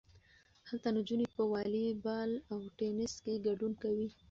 هلته نجونې په والی بال او ټینس کې ګډون کوي.